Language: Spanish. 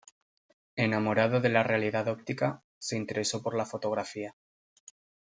Enamorado de la realidad óptica, se interesó por la fotografía.